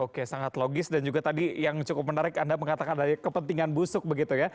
oke sangat logis dan juga tadi yang cukup menarik anda mengatakan ada kepentingan busuk begitu ya